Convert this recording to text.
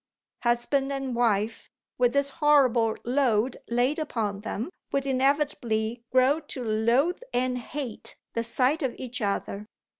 Husband and wife, with this horrible load laid upon them, would inevitably grow to loathe and hate the sight of each other.